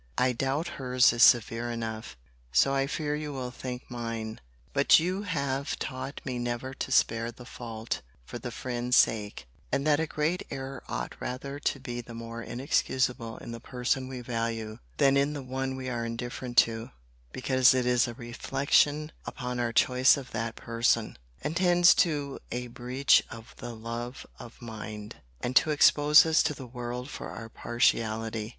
I doubt her's is severe enough. So I fear you will think mine: but you have taught me never to spare the fault for the friend's sake; and that a great error ought rather to be the more inexcusable in the person we value, than in one we are indifferent to; because it is a reflection upon our choice of that person, and tends to a breach of the love of mind, and to expose us to the world for our partiality.